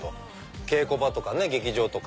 稽古場とかね劇場とか。